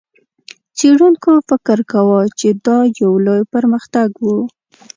څېړونکو فکر کاوه، چې دا یو لوی پرمختګ و.